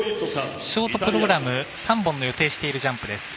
ショートプログラム３本の予定しているジャンプです。